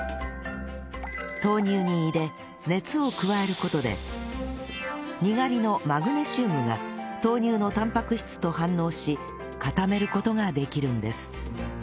豆乳に入れ熱を加える事でにがりのマグネシウムが豆乳のタンパク質と反応し固める事ができるんです